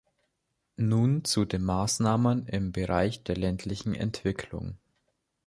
Nun zu den Maßnahmen im Bereich der ländlichen Entwicklung.